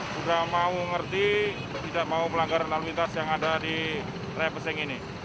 sudah mau ngerti tidak mau pelanggaran lalu lintas yang ada di area pesing ini